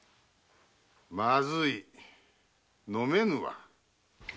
まずい飲めぬわ。